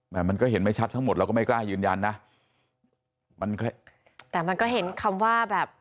มันก็เห็นไม่ชัดทั้งหมดเราก็ไม่กล้ายืนยันนะมันแต่มันก็เห็นคำว่าแบบ